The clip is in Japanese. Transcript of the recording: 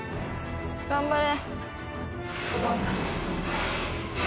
頑張れ。